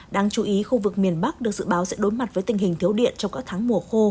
đáng chú ý khu vực miền bắc được dự báo sẽ đối mặt với tình hình thiếu điện trong các tháng mùa khô